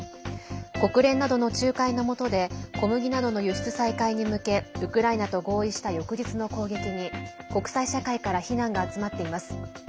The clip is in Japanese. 国連などの仲介のもとで小麦などの輸出再開に向けウクライナと合意した翌日の攻撃に国際社会から非難が集まっています。